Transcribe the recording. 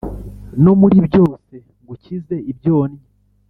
no muri byose ngukize ibyonnyi.